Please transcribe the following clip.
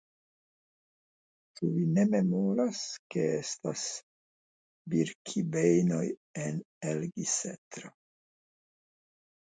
Ĉu vi ne memoras, ke estas Birkibejnoj en Elgisetro?